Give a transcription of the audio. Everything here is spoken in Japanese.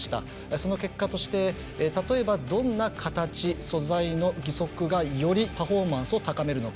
その結果として例えばどんな形、素材の義足がよりパフォーマンスを高めるのか。